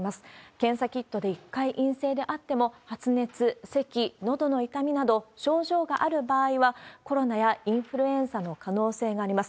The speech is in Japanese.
検査キットで１回陰性であっても、発熱、せき、のどの痛みなど症状がある場合は、コロナやインフルエンザの可能性があります。